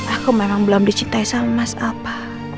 aku memang belum dicintai sama mas apa